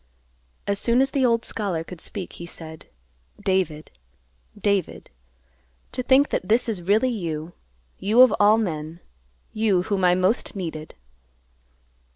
As soon as the old scholar could speak, he said, "David, David! To think that this is really you. You of all men; you, whom I most needed."